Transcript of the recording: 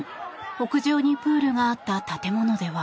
屋上にプールがあった建物では。